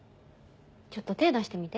ちょっと手出してみて。